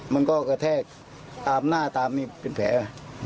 มันก็กระแทกตามหน้าตามนี่เป็นแผล